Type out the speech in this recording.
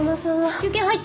休憩入った。